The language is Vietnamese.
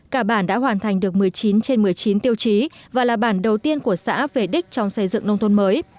cả bản đã hoàn thành được một mươi chín trên một mươi chín tiêu chí và là bản đầu tiên của xã về đích trong xây dựng nông thôn mới